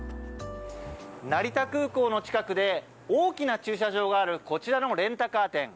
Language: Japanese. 成田空港の近くで大きな駐車場があるこちらのレンタカー店。